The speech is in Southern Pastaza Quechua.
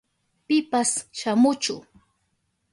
Pipas shamuchu.